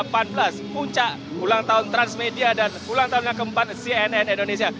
puncak ulang tahun transmedia dan ulang tahun yang keempat cnn indonesia